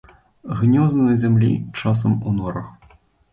Гнёзды на зямлі, часам у норах.